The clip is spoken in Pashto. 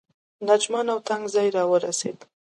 نمجن او تنګ ځای راورسېد.